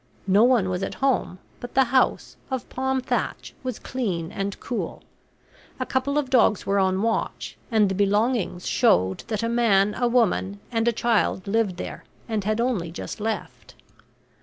No one was at home, but the house, of palm thatch, was clean and cool. A couple of dogs were on watch, and the belongings showed that a man, a woman, and a child lived there, and had only just left.